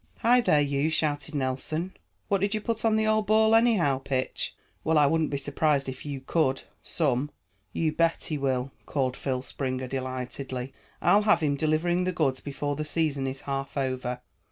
"Hi there, you!" shouted Nelson. "What did you put on the old ball, anyhow? Pitch? Well, I wouldn't be surprised if you could, some." "You bet he will," called Phil Springer delightedly. "I'll have him delivering the goods before the season is half over."